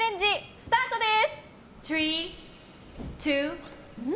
スタートです！